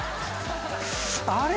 あれ？